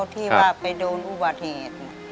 ที่ว่าไปโดนอุบัติเหตุ